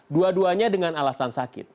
dua duanya dengan alasan sakit